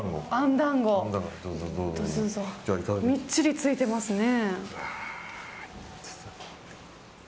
みっちりついてますね。